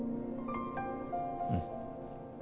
うん。